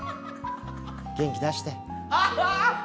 元気出して。